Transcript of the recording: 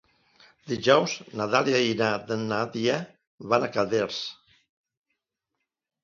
Dijous na Dàlia i na Nàdia van a Calders.